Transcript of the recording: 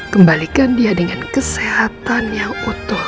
kembalikan dia dengan kesehatan yang utuh